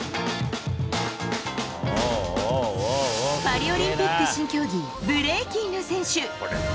パリオリンピック新競技、ブレイキンの選手。